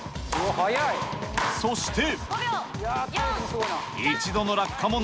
そして。